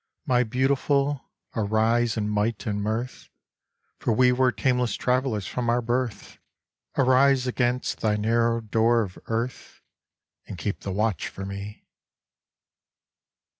My beautiful! arise in might and mirth, For we were tameless travellers from our birth; Arise against thy narrow door of earth, And keep the watch for me.